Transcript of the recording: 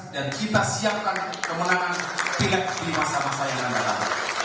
dan kita siapkan kemenangan pilihan pilihan masyarakat